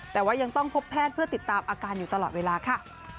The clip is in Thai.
แต่ว่ายังต้องพบแพทย์เพื่อติดตามอาการอยู่ตลอดเวลาค่ะ